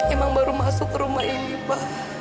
emang baru masuk rumah ini pa